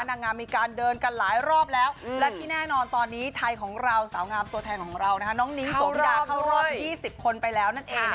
นางงามีการเดินกันหลายรอบแล้ว